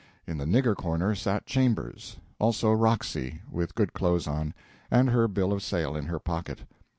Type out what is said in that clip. In the "nigger corner" sat Chambers; also Roxy, with good clothes on, and her bill of sale in her pocket.